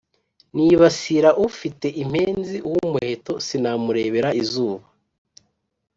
Nibasira ufite impenzi uw’umuheto sinamurebera izuba